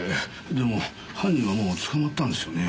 でも犯人はもう捕まったんですよね？